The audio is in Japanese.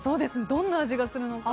どんな味がするのか。